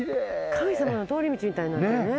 神様の通り道みたいになってるね。